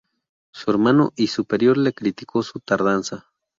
Su hermano y superior le criticó su tardanza.